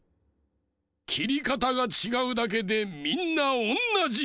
きりかたがちがうだけでみんなおんなじじゃ！